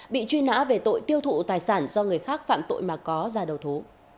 bị truy nã về tội tiêu thụ tài sản do người khác phạm tội mà có ra đầu thú